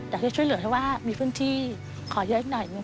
อยากจะช่วยเหลือให้ว่ามีพื้นที่ขอเยอะอีกหน่อยหนึ่ง